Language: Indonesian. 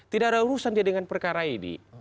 tidak ada urusan dia dengan perkara ini